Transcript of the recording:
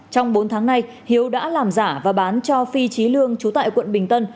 trong bốn tháng nay hiếu đã làm giả và bán cho phi trí lương chú tại quận bình tân